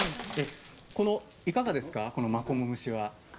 いかがですか、マコモ蒸しは。